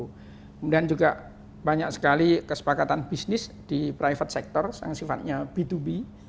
kemudian juga banyak sekali kesepakatan bisnis di private sector yang sifatnya b dua b